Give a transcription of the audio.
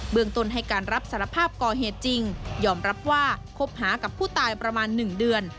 ตนให้การรับสารภาพก่อเหตุจริงยอมรับว่าคบหากับผู้ตายประมาณ๑เดือน